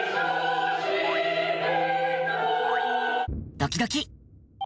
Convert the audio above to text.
ドキドキ。